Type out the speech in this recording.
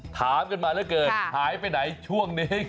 ถามกันมาเหลือเกินหายไปไหนช่วงนี้